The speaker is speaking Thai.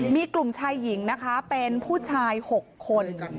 มีกลุ่มชายหญิงนะคะเป็นผู้ชาย๖คน